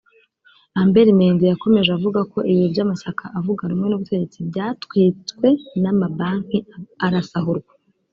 Lambert Mende yakomeje avuga ko ibiro by’amashyaka avuga rumwe n’ubutegetsi byatwitswe n’amabanki arasahurwa